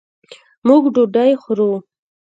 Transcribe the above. موږ ډوډۍ خورو